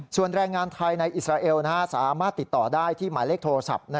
ส่วนแรงงานไทยในอิสราเอลสามารถติดต่อได้ที่หมายเลขโทรศัพท์